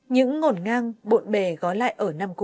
những ngổn ngang bộn bề gói lại ở nam cũ